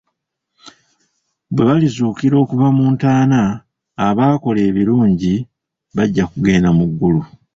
Bwe balizuukira okuva mu ntaana abaakola ebirungi bajja kugenda mu ggulu.